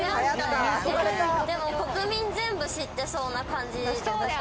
でも国民全部知ってそうな感じ。